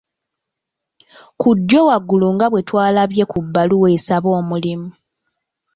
Ku ddyo waggulu nga bwe twalabye ku bbaluwa esaba omulimu.